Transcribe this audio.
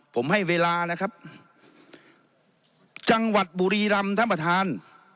ผมให้เวลานะครับจังหวัดบุรีรำท่านประธาน